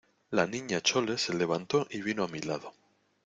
la Niña Chole se levantó y vino a mi lado.